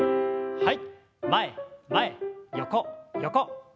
はい。